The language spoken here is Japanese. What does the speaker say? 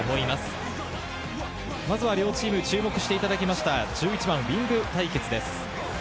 まずは両チーム、注目していただきました、１１番・ウイング対決です。